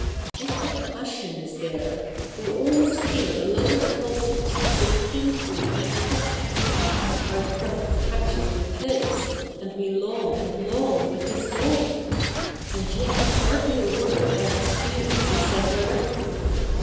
What a passion is here 1 We almost hear the lover's pulses as they painfully beat quicker. Our breath catches with his ; and we long and long with his longing. And yet hardly a word about his feelings is said directly.